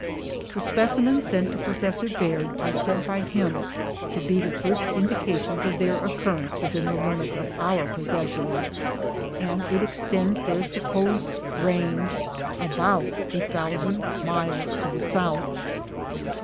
The specimens sent to Professor Baird are said by him to be the first indications of their occurrence within the limits of our possessions, and it ex tends their supposed range about a thousand miles to the south.